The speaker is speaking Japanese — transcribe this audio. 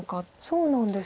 そうなんです。